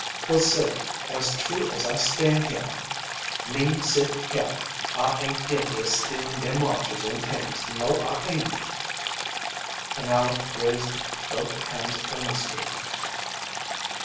But, say, as true as I stand heah mean sit heah I aint guilty of stealin' dem watches an' t'ings, no I aint!" And Aleck raised both hands earnestly.